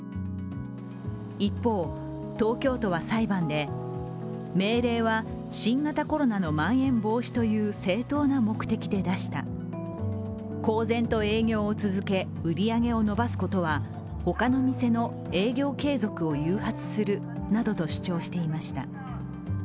一方、東京都は裁判で命令は新型コロナのまん延防止という正当な目的で出した、公然と営業を続け、売り上げを伸ばすことは他の店の営業継続を誘発するなどと主張していました。